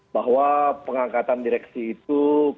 bahwa pengangkatan direksi itu